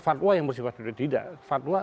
fatwa yang bersifat tidak fatwa